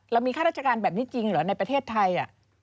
เรามีข้าราชการแบบนี้จริงเหรอในประเทศไทย